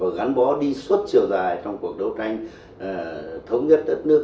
và gắn bó đi suốt chiều dài trong cuộc đấu tranh thống nhất đất nước